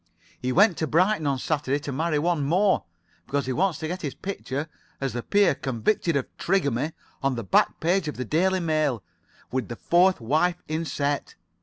He went to Brighton on Saturday to marry one more. Because he wants to get his picture, as the peer convicted of trigamy, on the back page of the 'Daily Mail,' with the fourth wife inset.